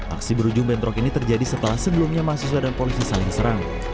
aksi berujung bentrok ini terjadi setelah sebelumnya mahasiswa dan polisi saling serang